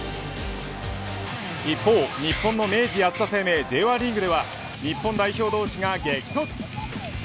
一方、日本の明治安田生命Ｊ１リーグでは日本代表同士が激突。